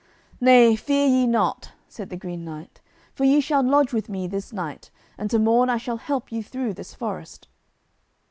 "Nay, fear ye not," said the Green Knight, "for ye shall lodge with me this night, and to morn I shall help you through this forest."